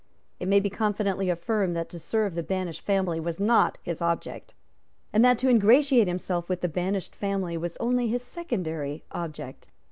It may be confidently affirmed that to serve the banished family was not his object, and that to ingratiate himself with the banished family was only his secondary object.